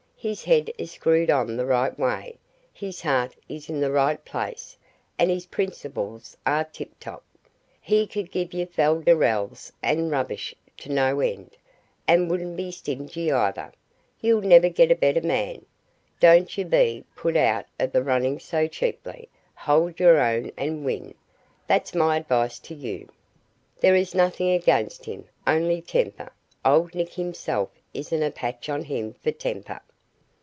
His head is screwed on the right way, his heart is in the right place, and his principles are tip top. He could give you fal de rals and rubbish to no end, and wouldn't be stingy either. You'll never get a better man. Don't you be put out of the running so cheaply: hold your own and win, that's my advice to you. There is nothing against him, only temper old Nick himself isn't a patch on him for temper."